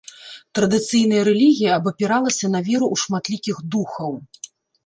Традыцыйная рэлігія абапіралася на веру ў шматлікіх духаў.